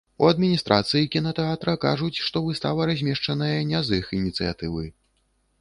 У адміністрацыі кінатэатра кажуць, што выстава размешчаная не з іх ініцыятывы.